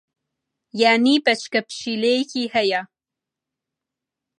یانی بەچکە پشیلەیەکی ھەیە.